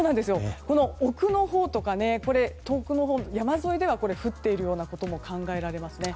奥のほうとか遠くのほうの山沿いでは降っているようなことも考えられますね。